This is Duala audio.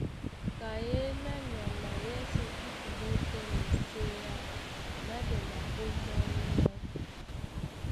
Kanyéná nyama yɛ́sɛ̄ í kumó tɛ́ miséá nátɛna ómɔ́ny ná: